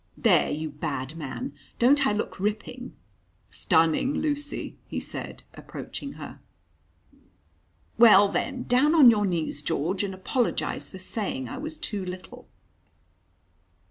"There, you bad man! Don't I look ripping?" "Stunning, Lucy," he said, approaching her. "Well, then, down on your knees, George, and apologise for saying I was too little."